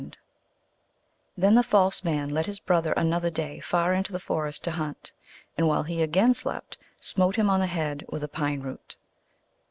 17 Then the false man led his brother another day far into the forest to hunt, and, while he again slept, smote him on the head with a pine root.